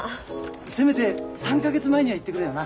せめて３か月前には言ってくれよな。